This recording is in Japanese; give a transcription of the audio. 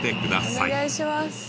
お願いします。